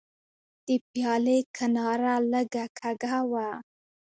د پیالې کناره لږه کږه وه.